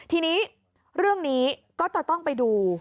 ทีนี้เรื่องนี้ก็จะต้องไปดู